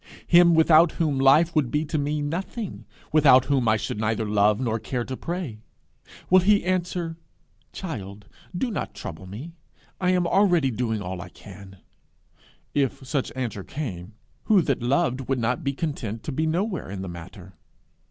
him without whom life would be to me nothing, without whom I should neither love nor care to pray! will he answer, 'Child, do not trouble me; I am already doing all I can'? If such answer came, who that loved would not be content to be nowhere in the matter?